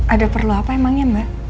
ada perlu apa emangnya mbak